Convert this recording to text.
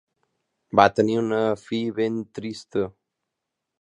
Va tenir una fi ben trista.